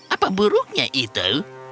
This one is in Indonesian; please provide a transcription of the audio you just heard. apa buruknya itu